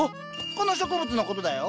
この植物のことだよ。